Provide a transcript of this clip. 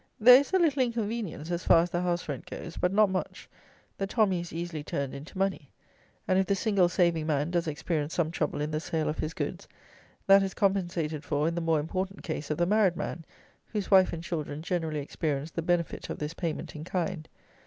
There is a little inconvenience as far as the house rent goes; but not much. The tommy is easily turned into money; and if the single saving man does experience some trouble in the sale of his goods, that is compensated for in the more important case of the married man, whose wife and children generally experience the benefit of this payment in kind.